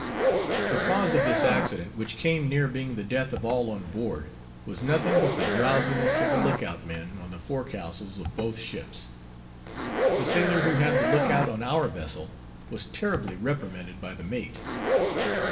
The cause of this accident, which came near being the death of all on board, was nothing but the drowsiness of the look out men on the forecastles of both ships. The sailor who had the look out on our vessel was terribly reprimanded by the mate.